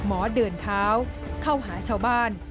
หมอเดินเท้าเข้าหาชาวบ้าน